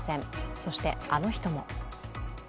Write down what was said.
そして、あの人も。